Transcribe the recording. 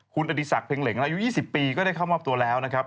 คุณอดีศักดิงเหล็งอายุ๒๐ปีก็ได้เข้ามอบตัวแล้วนะครับ